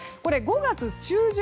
５月中旬